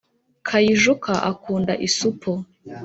.kayijuka akunda isupu